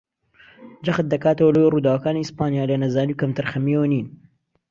جەخت دەکاتەوە لەوەی ڕووداوەکانی ئیسپانیا لە نەزانی و کەمتەرخەمییەوە نین